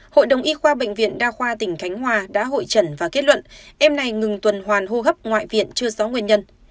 hội đồng y khoa bệnh viện đa khoa tỉnh khánh hòa đã hội trần và kết luận em này ngừng tuần hoàn hô hấp ngoại viện chưa rõ nguyên nhân